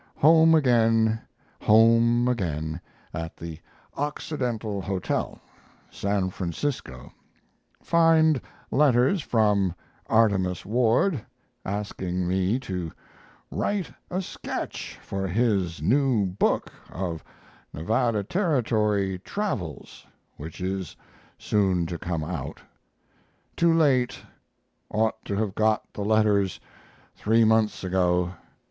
Home again home again at the Occidental Hotel, San Francisco find letters from Artemus Ward asking me to write a sketch for his new book of Nevada Territory Travels which is soon to come out. Too late ought to have got the letters three months ago.